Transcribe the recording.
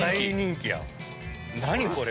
何これ？